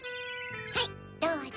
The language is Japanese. はいどうぞ。